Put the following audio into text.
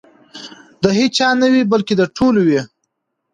د هیچا نه وي بلکې د ټولو وي.